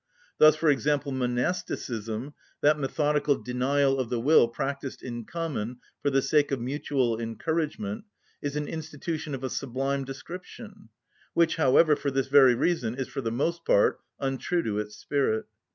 Thus, for example, monasticism, that methodical denial of the will practised in common for the sake of mutual encouragement, is an institution of a sublime description, which, however, for this very reason is for the most part untrue to its spirit.